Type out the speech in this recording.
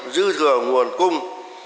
dư thừa nguồn cung